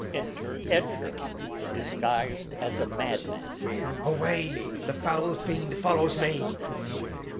Enter Edgar [disguised as a madman]. Edg. Away! the foul fiend follows me!